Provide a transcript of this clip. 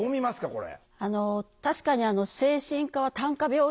これ。